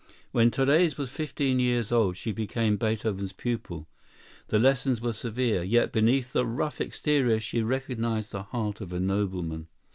When Therese was fifteen years old she became Beethoven's pupil. The lessons were severe. Yet beneath the rough exterior she recognized the heart of a nobleman.